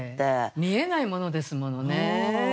見えないものですものね。